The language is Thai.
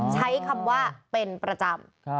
ใช้คำว่าเป็นประจำ